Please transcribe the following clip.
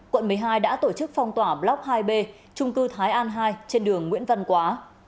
quận một mươi hai đã tổ chức phong tỏa block hai b trung cư thái an hai trên đường nguyễn văn quá